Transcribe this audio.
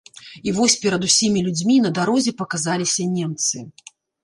І вось перад усімі людзьмі на дарозе паказаліся немцы.